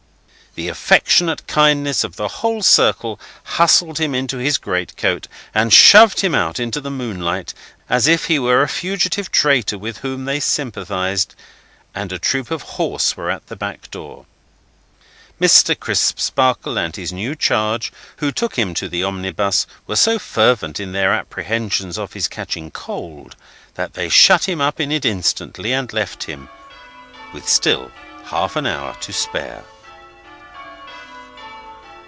The affectionate kindness of the whole circle hustled him into his greatcoat, and shoved him out into the moonlight, as if he were a fugitive traitor with whom they sympathised, and a troop of horse were at the back door. Mr. Crisparkle and his new charge, who took him to the omnibus, were so fervent in their apprehensions of his catching cold, that they shut him up in it instantly and left him, with still half an hour to spare.